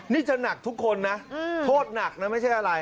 นี่จะหนักทุกคนนะโทษหนักนะไม่ใช่อะไร